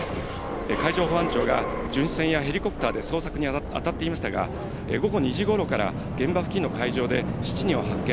海上保安庁が、巡視船やヘリコプターで捜索に当たっていましたが、午後２時ごろから現場付近の海上で７人を発見。